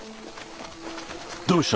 どうした？